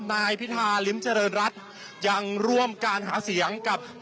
นายพิธาริมเจริญรัฐยังร่วมการหาเสียงกับ